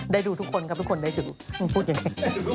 ได้ดูทุกคนครับทุกคนได้ดูพูดยังไง